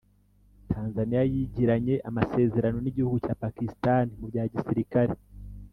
tanzaniya yigiranye amasezerano n’igihugu cya pakistani mu bya gisirikare